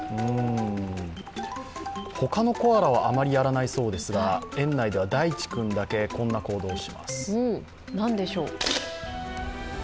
他のコアラはあまりやらないそうですが園内ではだいち君だけこんな行動をします。